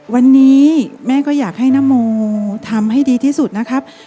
วันนี้แม่ก็อยากให้นโมทำให้ดีที่สุดนะครับ